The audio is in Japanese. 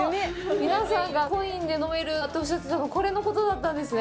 皆さんがコインで飲めるとおっしゃっていたのは、これのことだったんですね！